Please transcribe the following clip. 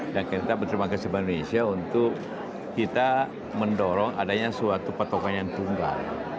dan kita berterima kasih bank indonesia untuk kita mendorong adanya suatu petokan yang tunggal